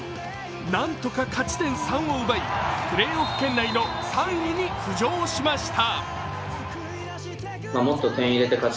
何とか勝ち点３を奪い、プレーオフ圏内の３位に浮上しました。